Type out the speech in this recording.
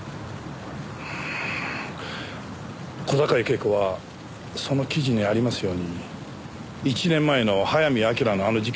小坂井恵子はその記事にありますように１年前の早見明のあの事件の目撃者でした。